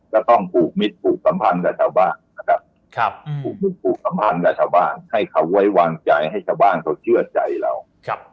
ก็ต้องปลูกมิตรปลูกสัมพันธ์กับชาวบ้างให้เขาไว้วางใจให้ชาวบ้างเขาเชื่อใจเรา